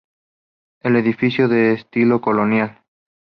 El edificio es de estilo colonial.